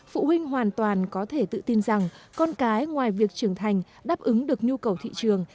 phụ huynh hoàn toàn có thể tự tin rằng con cái ngoài việc trưởng thành đáp ứng được nhu cầu thị trường